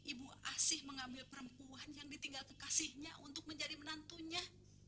ibu asih mengambil perempuan yang ditinggal kekasihnya untuk menjadi menantunya